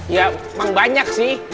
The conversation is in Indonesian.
ya emang banyak sih